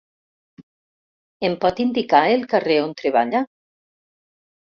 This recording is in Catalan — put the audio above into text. Em pot indicar el carrer on treballa?